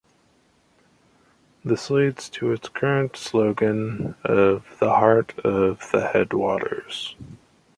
This leads to its current slogan of 'the heart of the headwaters'.